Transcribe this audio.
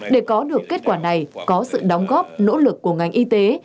để có được kết quả này có sự đóng góp nỗ lực của ngành y tế